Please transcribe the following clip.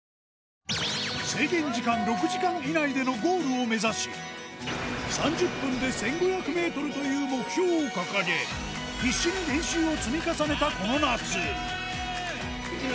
制限時間６時間以内でのゴールを目指し３０分で１５００ｍという目標を掲げ必死に１０００か。